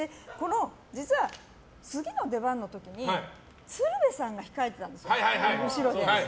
実は次の出番の時に鶴瓶さんが控えてたんですよ後ろで。